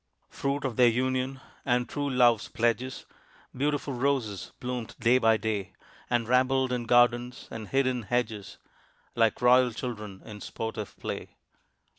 Fruit of their union and true love's pledges, Beautiful roses bloomed day by day, And rambled in gardens and hid in hedges Like royal children in sportive play.